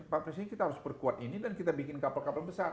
pak presiden kita harus perkuat ini dan kita bikin kapal kapal besar